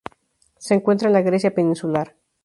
Se encuentra en la Grecia peninsular.